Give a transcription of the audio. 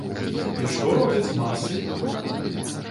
І што робяць масы?